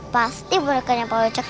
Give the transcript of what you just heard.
pasti mereka yang paling cepat